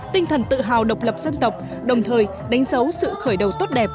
tinh thần tự hào độc lập dân tộc đồng thời đánh dấu sự khởi đầu tốt đẹp